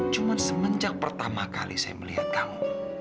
cuma semenjak pertama kali saya melihat kamu